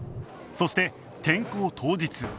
そして転校当日